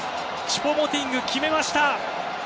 チュポ・モティング決めました！